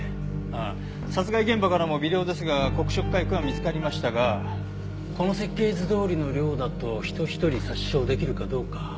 ああ殺害現場からも微量ですが黒色火薬が見つかりましたがこの設計図どおりの量だと人ひとり殺傷出来るかどうか。